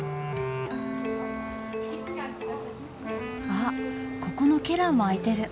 あここのケラーも開いてる。